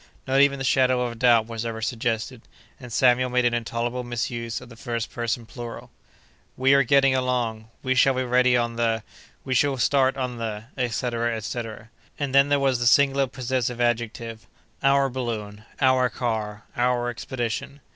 Not even the shadow of a doubt was ever suggested; and Samuel made an intolerable misuse of the first person plural: "'We' are getting along; 'we' shall be ready on the——; 'we' shall start on the——," etc., etc. And then there was the singular possessive adjective: "'Our' balloon; 'our' car; 'our' expedition."